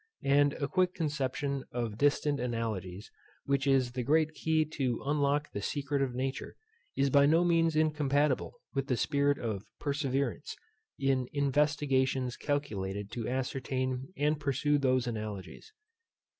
And a quick conception of distant analogies, which is the great key to unlock the secret of nature, is by no means incompatible with the spirit of perseverance, in investigations calculated to ascertain and pursue those analogies.